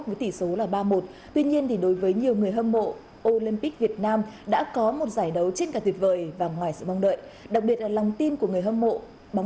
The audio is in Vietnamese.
đội tuyển olympic việt nam cũng đã ghi bàn thắng rất lớn trong lòng người hâm mộ